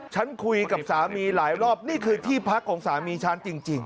ฉันคุยกับสามีหลายรอบนี่คือที่พักของสามีฉันจริง